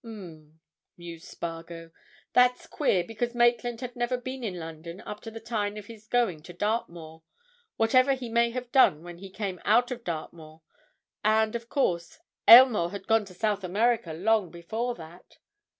"Um!" mused Spargo. "That's queer, because Maitland had never been in London up to the time of his going to Dartmoor, whatever he may have done when he came out of Dartmoor, and, of course, Aylmore had gone to South America long before that.